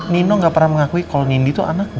nino nggak pernah mengakui kalau nindi itu anak